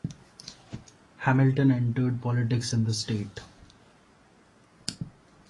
Hamilton entered politics in the state.